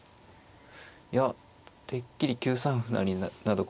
いやてっきり９三歩成など